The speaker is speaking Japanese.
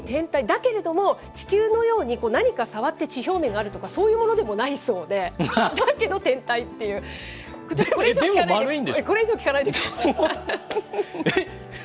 だけれども、地球のように何か触って地表面があるとか、そういうものでもないそうで、だけど天体でも丸いんでしょ？